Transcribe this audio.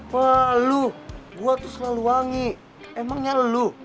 wah lo gue tuh selalu wangi emangnya lo